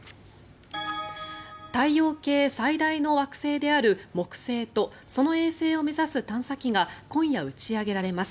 太陽系最大の惑星である木星とその衛星を目指す探査機が今夜打ち上げられます。